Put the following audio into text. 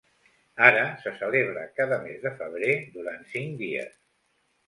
Ara se celebra cada mes de febrer durant cinc dies.